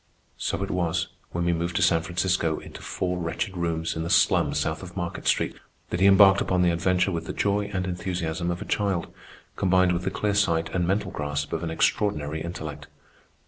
So it was, when we moved to San Francisco into four wretched rooms in the slum south of Market Street, that he embarked upon the adventure with the joy and enthusiasm of a child—combined with the clear sight and mental grasp of an extraordinary intellect.